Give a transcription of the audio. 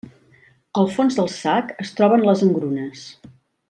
Al fons del sac es troben les engrunes.